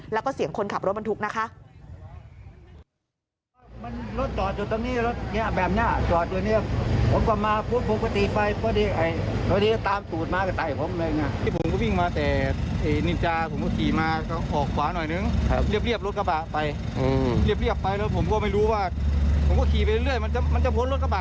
แล้วก็เสียงคนขับรถบรรทุกนะคะ